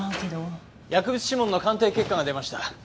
薬物指紋の鑑定結果が出ました。